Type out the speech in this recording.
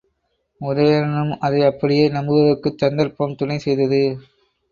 உதயணனும் அதை அப்படியே நம்புவதற்குச் சந்தர்ப்பம் துணை செய்தது.